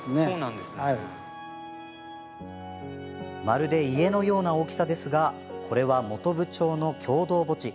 まるで家のような大きさですがこれは、本部町の共同墓地。